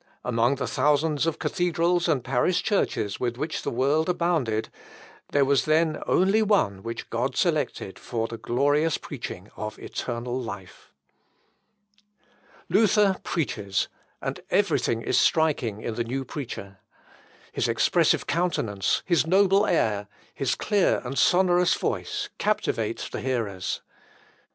Among the thousands of cathedrals and parish churches with which the world abounded, there was then one only which God selected for the glorious preaching of eternal life." Myconius. Luther preaches, and every thing is striking in the new preacher. His expressive countenance, his noble air, his clear and sonorous voice, captivate the hearers.